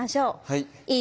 はい。